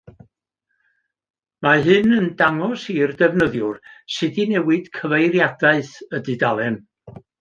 Mae hyn yn dangos i'r defnyddiwr sut i newid cyfeiriadaeth y dudalen.